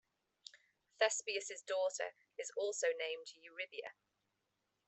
Thespius's daughter is also named Eurybia.